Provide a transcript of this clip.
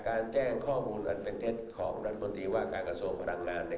การแจ้งข้อมูลของรัฐคุณทีว่าการกระทรวงพลังงานใน